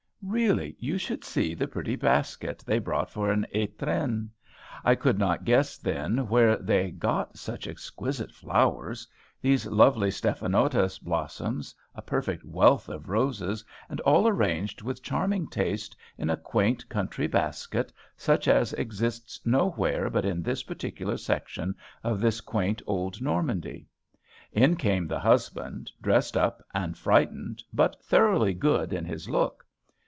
Really, you should see the pretty basket they brought for an étrenne. I could not guess then where they got such exquisite flowers; these lovely stephanotis blossoms, a perfect wealth of roses, and all arranged with charming taste in a quaint country basket, such as exists nowhere but in this particular section of this quaint old Normandy. In came the husband, dressed up, and frightened, but thoroughly good in his look.